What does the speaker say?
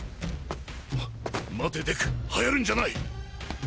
あっ待てデク逸るんじゃない！